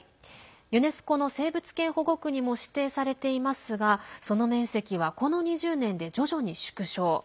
ユネスコの生物圏保護区に指定されていますがその面積は、この２０年で徐々に縮小。